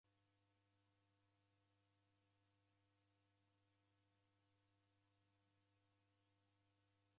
Vilongozi vepwana kuzighana seji ihi saka yaw'ianona zoghori.